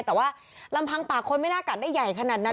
แต่ว่าลำพังปากคนไม่น่ากัดได้ใหญ่ขนาดนั้น